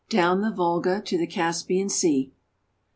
DOWN THE VOLGA TO THE CASPIAN SEA.